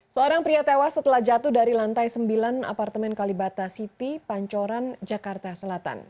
seorang pria tewas setelah jatuh dari lantai sembilan apartemen kalibata city pancoran jakarta selatan